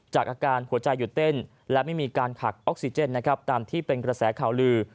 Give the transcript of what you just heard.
อาการหัวใจหยุดเต้นและไม่มีการหักออกซิเจนนะครับตามที่เป็นกระแสข่าวลือ